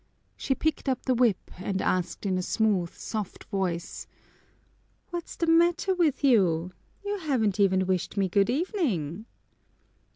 She picked up the whip and asked in a smooth, soft voice, "What's the matter with you? You haven't even wished me good evening."